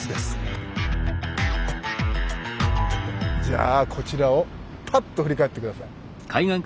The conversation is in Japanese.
じゃあこちらをパッと振り返って下さい。